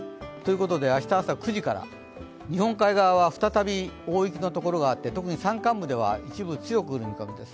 明日朝９時から、日本海側は再び大雪のところがあって、特に山間部では一部強く降る見込みです。